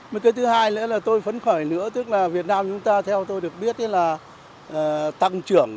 một cái thứ hai nữa là tôi phấn khởi nữa tức là việt nam chúng ta theo tôi được biết là tăng trưởng